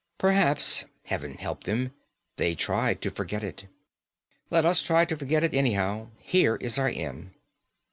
Perhaps Heaven help them they tried to forget it. Let us try to forget it, anyhow; here is our inn."